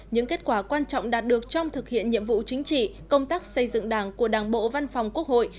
những kết quả quan trọng đạt được trong thực hiện nhiệm vụ chính trị công tác xây dựng đảng của đảng bộ văn phòng quốc hội